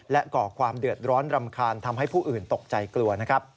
และก่อความเดือดร้อนรำคาญทำให้ผู้อื่นตกใจกลัวนะครับ